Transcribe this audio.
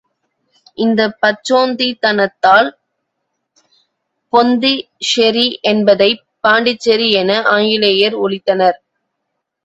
இந்தப் பச்சோந்தித்தனத்தால், பொந்தி ஷெரி என்பதைப் பாண்டிச்சேரி என ஆங்கிலேயர் ஒலித்தனர்.